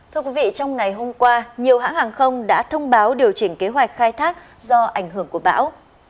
thưa quý vị trong ngày hôm qua nhiều hãng hàng không đã thông báo điều chỉnh kế hoạch khai thác do ảnh hưởng của bão